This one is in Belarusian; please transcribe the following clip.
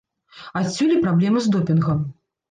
Адсюль і праблемы з допінгам.